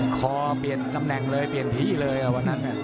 คอเปลี่ยนตำแหน่งเลยเปลี่ยนที่เลยวันนั้น